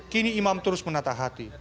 kini imam terus menatah hati